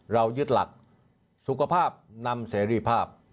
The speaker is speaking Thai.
เรายึดหลักสุขภาพนำเสรีภาพ